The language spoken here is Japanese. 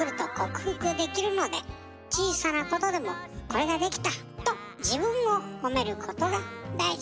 小さなことでも「これができた！」と自分を褒めることが大事です。